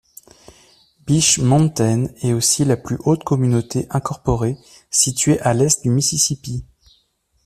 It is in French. Beech Mountain est ainsi la plus haute communauté incorporée située à l'est du Mississippi.